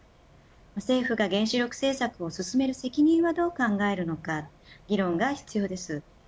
政府が原子力政策を進める責任はどう考えるのか議論が必要です。